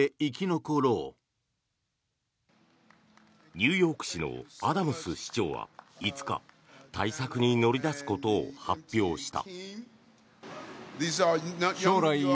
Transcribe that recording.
ニューヨーク市のアダムス市長は５日対策に乗り出すことを発表した。